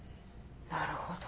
なるほど。